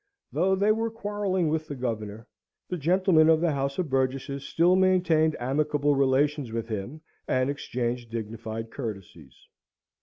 Though they were quarrelling with the Governor, the gentlemen of the House of Burgesses still maintained amicable relations with him, and exchanged dignified courtesies.